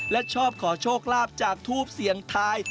และชอบขอโชคลาภจากทูปเสียงทาย